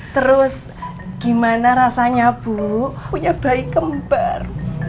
terus gimana rasanya bu punya bayi kembar